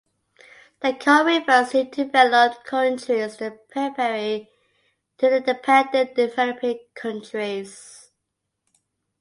The core refers to developed countries, the periphery to the dependent developing countries.